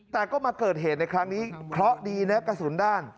แต่ก็มาเกิดเหตุในครั้งนี้เคราะห์ดีนะกระสุนด้าน